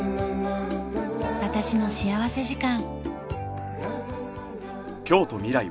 『私の幸福時間』。